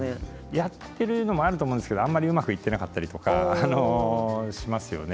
やってるのもあると思うんですけどあんまりうまくいってなかったりとかしますよね。